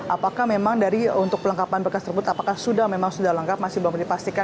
apakah memang dari untuk pelengkapan berkas tersebut apakah sudah memang sudah lengkap masih belum dipastikan